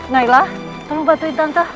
nailah tolong bantuin tante